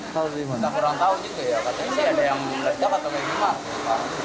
kita kurang tahu juga ya katanya sih ada yang belajar atau yang gimana